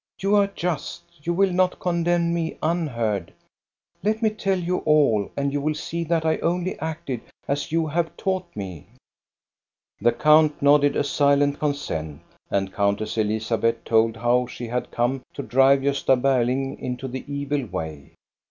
You are just, you will not condemn me un heard. Let me tell you all, and you will see that I only acted as you have taught me." The count nodded a silent consent, and Countess Elizabeth told how she had come to drive Gosta Ber ling into the evil way.